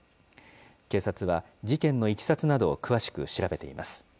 警察は、事件のいきさつなどを詳しく調べています。